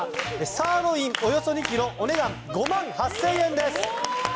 サーロインおよそ２ｋｇお値段５万８０００円です。